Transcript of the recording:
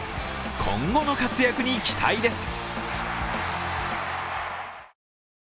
今後の活躍に期待です。